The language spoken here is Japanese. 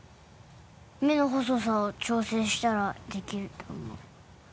目の細さを調整したらできると思う。